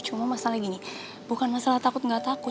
cuma masalah gini bukan masalah takut gak takut